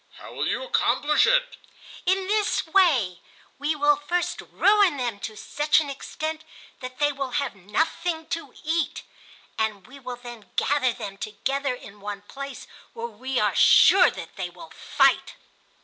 "How will you accomplish it?" "In this way: We will first ruin them to such an extent that they will have nothing to eat, and we will then gather them together in one place where we are sure that they will fight."